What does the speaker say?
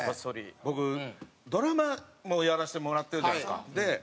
僕ドラマもやらせてもらってるじゃないですか。